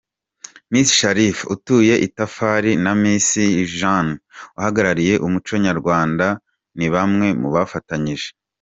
Miss Sharifa utuye itafari na Miss Jane uhagarariye umuco nyarwanda ni bamwe mubafatanyije.